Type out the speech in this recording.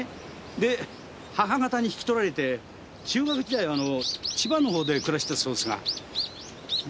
で母方に引き取られて中学時代はあの千葉の方で暮らしてたそうですがで